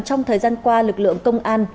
trong thời gian qua lực lượng công an